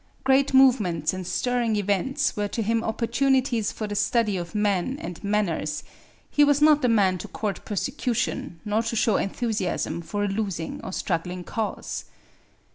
Great movements and stirring events were to him opportunities for the study of men and manners; he was not the man to court persecution, nor to show enthusiasm for a losing or struggling cause.